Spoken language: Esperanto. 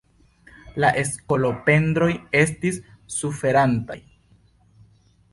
Ia skolopendroj estis suferantaj.